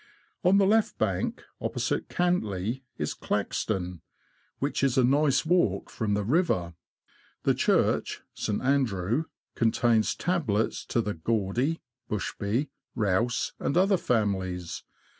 On the left bank, opposite Cantley, is Claxton, which is a nice walk from the river. The church (St. Andrew) contains tablets to the Gawdy, Bushby, Rouse, and other families.